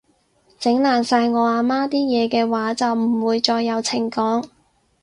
整爛晒我阿媽啲嘢嘅話，就唔會再有情講